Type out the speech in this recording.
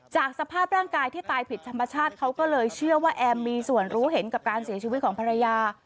จากสภาพร่างกายที่ตายผิดธรรมชาติเขาก็เลยเชื่อว่าแอมมีส่วนรู้เห็นกับการเสียชีวิตของภรรยา